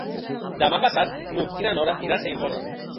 Demà passat n'Hug i na Nora iran a Ivorra.